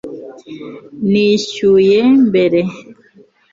Nishyuye mbere